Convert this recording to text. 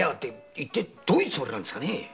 一体どういうつもりなんですかね。